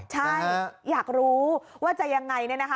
ใช่อยากรู้ว่าจะยังไงเนี่ยนะคะ